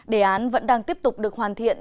đề án vẫn đang tiếp tục được hoàn thiện